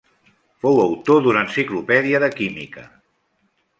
Fou autor d'una enciclopèdia de química.